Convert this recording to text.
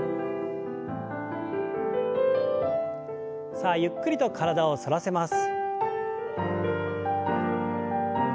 さあゆっくりと体を反らせます。